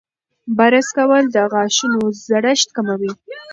برس کول د غاښونو زړښت کموي.